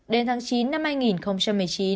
đến tháng chín năm hai nghìn một